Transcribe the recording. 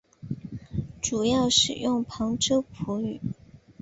主要使用旁遮普语。